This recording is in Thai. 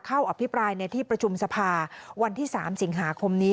อภิปรายในที่ประชุมสภาวันที่๓สิงหาคมนี้